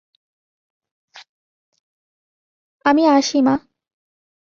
আমি আসি মা।